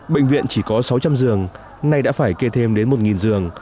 bệnh viện chỉ có sáu trăm linh giường nay đã phải kê thêm đến một giường